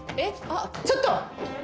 あっちょっと！